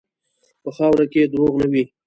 په خاوره کې دروغ نه وي.